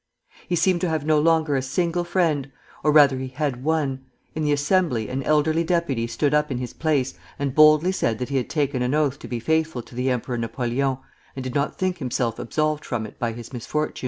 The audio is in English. He seemed to have no longer a single friend, or rather he had one: in the Assembly an elderly deputy stood up in his place and boldly said that he had taken an oath to be faithful to the Emperor Napoleon, and did not think himself absolved from it by his misfortunes.